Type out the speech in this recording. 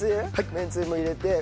めんつゆも入れて。